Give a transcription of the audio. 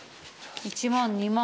１万２万。